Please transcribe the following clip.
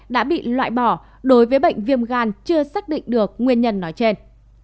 đã bị loại bỏ đối với bệnh viêm gan chưa xác định được nguyên nhân nói trên